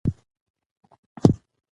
د عضلو ډول په تمرین سره نه بدلېږي.